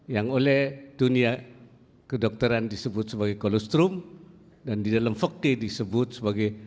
yang oleh dunia kedokteran disebut sebagai kolesterom dan di dalam fokke disebut sebagai